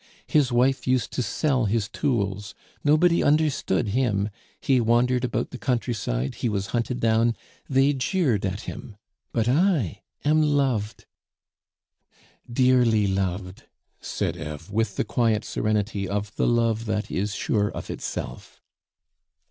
His wife used to sell his tools; nobody understood him, he wandered about the countryside, he was hunted down, they jeered at him. But I am loved " "Dearly loved!" said Eve, with the quiet serenity of the love that is sure of itself.